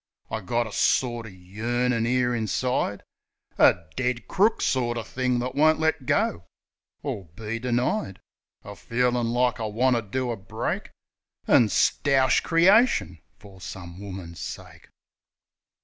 I got a sorter yearnin' 'ere inside, A dead crook sorter thing that won't let go Or be denied — A feelin' like I want to do a break, An' stoush creation for some woman's sake.